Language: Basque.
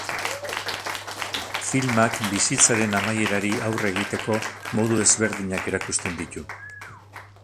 Filmak bizitzaren amaierari aurre egiteko modu ezberdinak erakusten ditu.